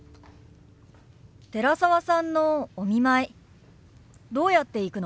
寺澤さんのお見舞いどうやって行くの？